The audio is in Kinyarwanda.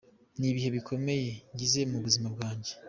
Ni ibihe bikomeye ngize mu buzima bwanjye.